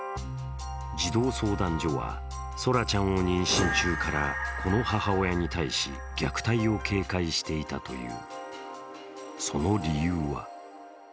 児童相談所は空来ちゃんを妊娠中からこの母親に対し、虐待を警戒していたという。